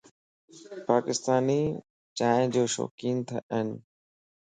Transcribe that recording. پاڪستاني چائن جا شوقين ائين.